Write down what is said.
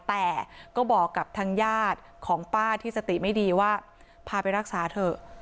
แต่ก็บอกกับทางญาติของป้าที่สติไม่ดีว่าพาไปรักษาเถอะ